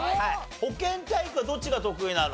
保健体育はどっちが得意なの？